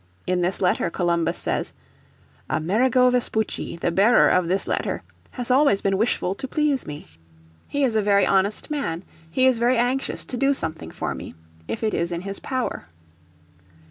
In this letter Columbus says, "Amerigo Vespucci, the bearer of this letter ... has always been wishful to please me. He is a very honest man. ... He is very anxious to do something for me, if it is in his power."